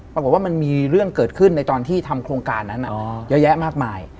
มันมีเรื่องเกิดขึ้นในตอนที่ทำโครงการนั้นเยอะแยะมากมาย